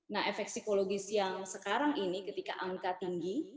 nah efek psikologis yang sekarang ini ketika angka tinggi